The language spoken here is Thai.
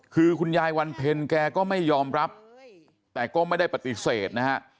คือคุณยายวันเพ็ญแกก็ไม่ยอมรับแต่ก็ไม่ได้ปฏิเสธนะฮะ